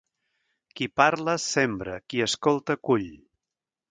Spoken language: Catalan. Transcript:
Qui parla, sembra; qui escolta, cull.